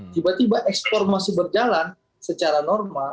tiba tiba ekspor masih berjalan secara normal